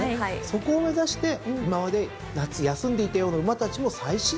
そこを目指して今まで夏休んでいたような馬たちの再始動を始める一戦。